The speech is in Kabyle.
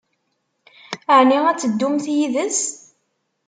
Ɛni ad teddumt yid-s?